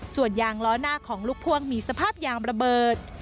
ส่วนยางล้อหน้าของลูกพ่วงมีสภาพยางระเบิด